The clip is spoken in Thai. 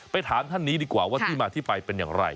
ถามท่านนี้ดีกว่าว่าที่มาที่ไปเป็นอย่างไร